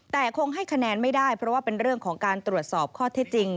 แต่คงให้คะแนนไม่ได้เพราะว่าเป็นเรื่องของการตรวจสอบข้อเท็จจริง